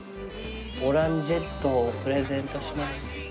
オランジェットをプレゼントしまーす。